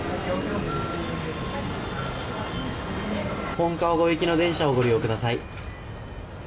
本川越行きの電車をご利用ください。